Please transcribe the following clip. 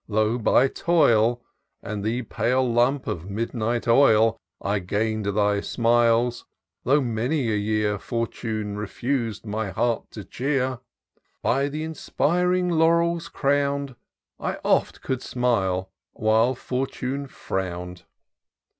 — though by toil And the pale lamp of midnight oil I gain'd thy smiles ; though many a year Fortune reftis'd my heart to cheer ; By thy inspiring laurels crown'd, I oft could smile while Fortune frown'd